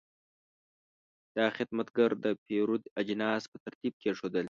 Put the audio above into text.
دا خدمتګر د پیرود اجناس په ترتیب کېښودل.